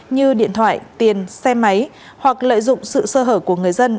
như điện thoại tiền xe máy hoặc lợi dụng sự sơ hở của người dân